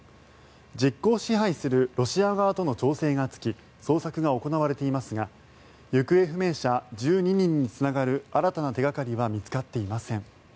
実効支配するロシア側との調整がつき捜索が行われていますが行方不明者１２人につながる新たな手掛かりは見つかっていません。